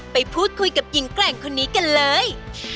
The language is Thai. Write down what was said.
ไปพูดคุยกับหญิงแกร่งคนนี้กันเลย